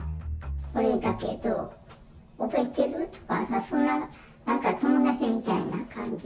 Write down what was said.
俺だけど、覚えてる？とか、そんななんか友達みたいな感じ。